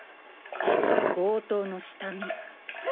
強盗の下見？え！